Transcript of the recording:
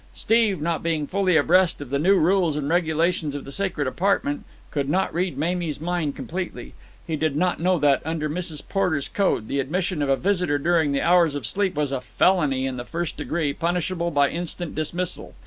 Steve, not being fully abreast of the new rules and regulations of the sacred apartment, could not read Mamie's mind completely. He did not know that, under Mrs. Porter's code, the admission of a visitor during the hours of sleep was a felony in the first degree, punishable by instant dismissal.